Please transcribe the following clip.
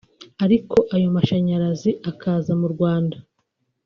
ariko ayo mashanyarazi akaza mu Rwanda